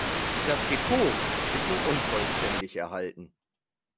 Das Depot ist nur unvollständig erhalten.